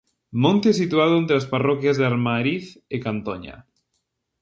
Monte situado entre as parroquias de Armariz e Cantoña.